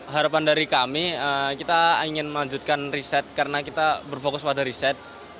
harapan dari kami kita ingin melanjutkan riset karena kita berfokus pada riset